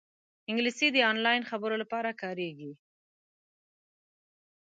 انګلیسي د آنلاین خبرو لپاره کارېږي